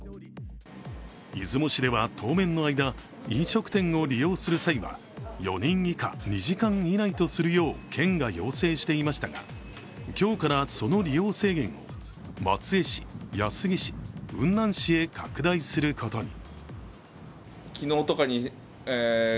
出雲市では、当面の間飲食店を利用する際は４人以下、２時間以内とするよう県が要請していましたが今日から、その利用制限が松江市、安来市、雲南市へ拡大することに。